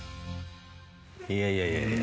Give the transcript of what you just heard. いやいやいやいや。